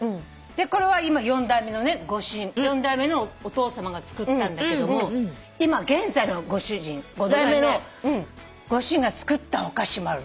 これは４代目のお父さまが作ったんだけども今現在のご主人５代目のご主人が作ったお菓子もあるの。